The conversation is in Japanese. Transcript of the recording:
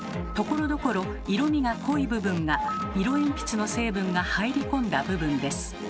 ところどころ色みが濃い部分が色鉛筆の成分が入り込んだ部分です。